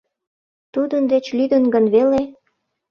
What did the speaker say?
Тудын деч лӱдын гын веле?